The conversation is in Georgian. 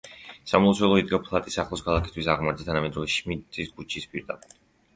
სამლოცველო იდგა ფლატის ახლოს ქალაქისთავის აღმართზე, თანამედროვე შმიდტის ქუჩის პირდაპირ.